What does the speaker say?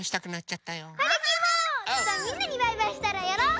じゃあみんなにバイバイしたらやろう！